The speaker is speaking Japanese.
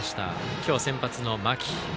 今日先発の間木。